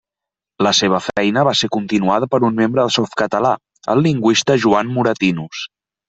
La seva feina va ser continuada per un membre de Softcatalà, el lingüista Joan Moratinos.